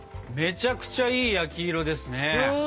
めちゃくちゃいい焼き色ですね！